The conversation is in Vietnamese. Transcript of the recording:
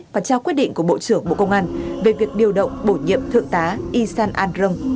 và trao quyết định của bộ trưởng bộ công an về việc điều động bổ nhiệm thượng tá isan andron